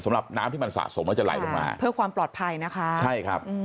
สำหรับน้ำที่มันสะสมและจะแหล่ลงมาใช่ครับเพื่อความปลอดภัย